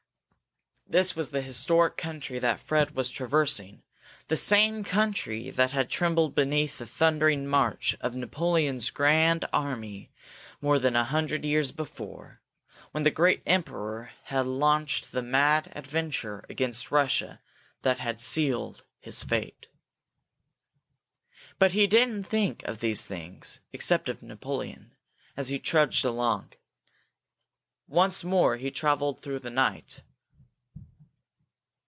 This was historic country that Fred was traversing, the same country that had trembled beneath the thundering march of Napoleon's grand army more than a hundred years before, when the great Emperor had launched the mad adventure against Russia that had sealed his fate. But he didn't think of these things, except of Napoleon, as he trudged along. Once more he traveled through the night.